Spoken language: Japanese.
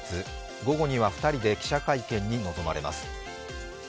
午後には２人で記者会見に臨まれます。